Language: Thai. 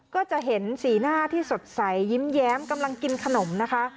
ก็จะเห็นสีหน้าที่สดใสยิ้มแย้มกำลังกินขนมนะคะ